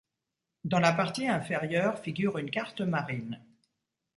Dans la partie inférieure, figure une carte marine.